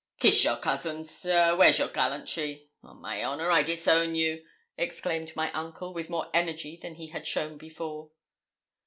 'Kiss your cousin, sir. Where's your gallantry? On my honour, I disown you,' exclaimed my uncle, with more energy than he had shown before.